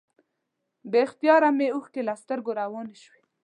بې اختیاره مې اوښکې له سترګو روانې شوې.